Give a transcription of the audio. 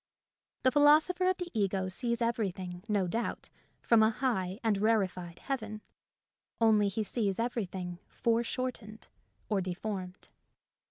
The philosopher of the ego sees everything, no doubt, from a high and rari fied heaven ; only he sees everything fore shortened or deformed.